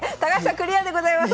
クリアでございます！